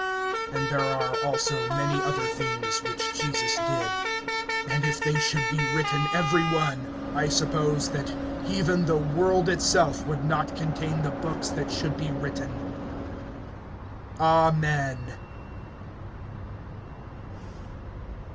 (25)And there are also many other things which Jesus did; and if they should be written every one, I suppose that even the world itself would not contain the books that should be written.